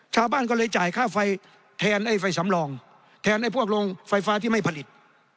ชาวบ้านก็เลยจ่ายค่าไฟแทนไอ้ไฟสำรองแทนไอ้พวกโรงไฟฟ้าที่ไม่ผลิต